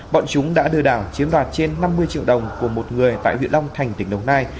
bọn chúng đã lừa đảo chiếm đoạt trên năm mươi triệu đồng của một người tại huyện long thành tỉnh đồng nai